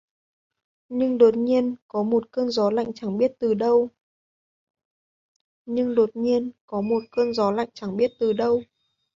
Nhưng đột nhiên có một cơn gió lạnh chẳng biết từ đâu